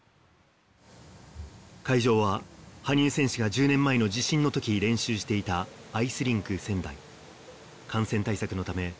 会場は、羽生選手が１０年前の地震のとき練習していたアイスリンク仙台。